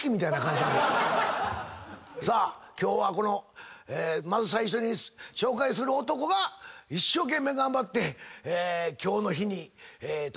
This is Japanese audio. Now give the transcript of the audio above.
さあ今日はまず最初に紹介する男が一生懸命頑張って今日の日にたどりついたということですよ。